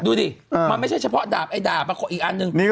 มันไม่ใช่เฉพาะดาบไอดาบอีกอันเนีย